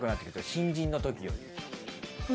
新人のときより。